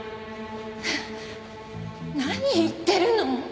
何言ってるの？